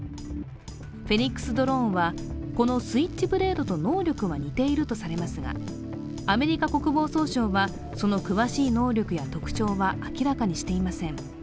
フェニックスドローンはこのスイッチブレードと能力は似ているとされますがアメリカ国防総省は、その詳しい能力や特徴は明らかにしていません。